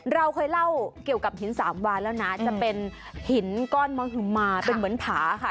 เราเคยเล่าเกี่ยวกับหินสามวานแล้วนะจะเป็นหินก้อนมหึมาเป็นเหมือนผาค่ะ